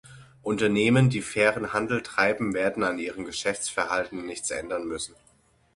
Unternehmen, die fairen Handel treiben, werden an ihrem Geschäftsverhalten nichts ändern müssen.